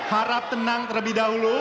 harap tenang terlebih dahulu